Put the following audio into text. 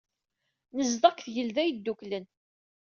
Nezdeɣ deg Tgelda Yedduklen.